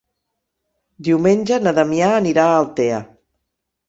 Diumenge na Damià anirà a Altea.